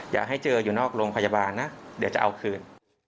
อย่าให้เจออยู่นอกโรงพยาบาลนะเดี๋ยวจะเอาคืน